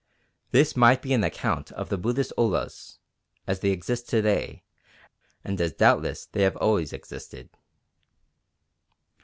This might be an account of the Buddhist olas as they exist to day and as doubtless they have always existed.